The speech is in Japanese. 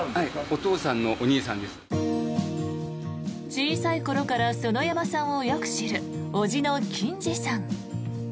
小さい頃から園山さんをよく知る伯父の金治さん。